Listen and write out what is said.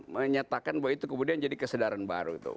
menyatakan bahwa itu kemudian jadi kesadaran baru